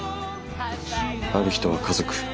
ある人は家族。